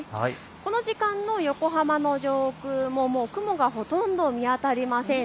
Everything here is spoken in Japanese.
この時間、横浜の上空も雲もほとんど見当たりません。